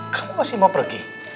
kamu masih mau pergi